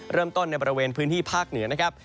เริ่มต้นในประเวนพื้นที่ภาพเหนือนะครับ